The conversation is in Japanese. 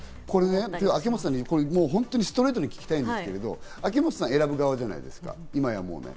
秋元さんにストレートに聞きたいんですけど、秋元さん、選ぶ側じゃないですか。